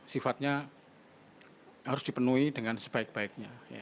sifatnya harus dipenuhi dengan sebaik baiknya